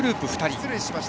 失礼しました。